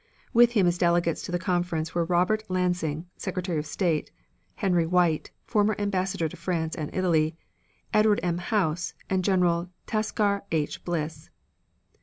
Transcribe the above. With him as delegates to the conference were Robert Lansing, Secretary of State; Henry White, former Ambassador to France and Italy; Edward M. House and General Tasker H. Bliss.